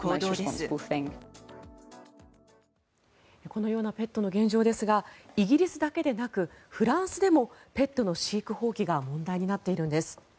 このようなペットの現状ですがイギリスだけでなくフランスでもペットの飼育放棄が問題になっているんです。